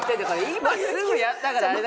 今すぐやったからあれだけど。